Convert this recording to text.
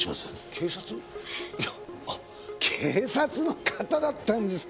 警察の方だったんですかもう。